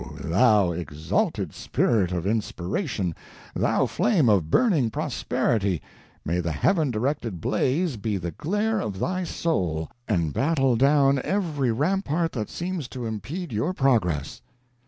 thou exalted spirit of inspiration thou flame of burning prosperity, may the Heaven directed blaze be the glare of thy soul, and battle down every rampart that seems to impede your progress!"